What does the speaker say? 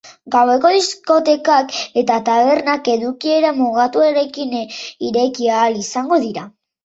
Gaueko diskotekak eta tabernak edukiera mugatuarekin ireki ahal izango dira.